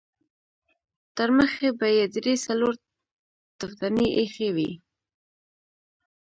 ترمخې به يې درې څلور تفدانۍ اېښې وې.